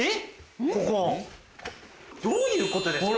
どういうことですか？